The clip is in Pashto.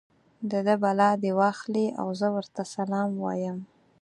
د ده بلا دې واخلي او زه ورته سلام وایم.